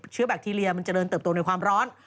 เชื้อแบคทีเรียมันเติบโตในความร้อน